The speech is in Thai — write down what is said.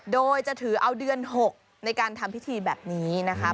โดยจะถือเอาเดือน๖ในการทำพิธีแบบนี้นะคะ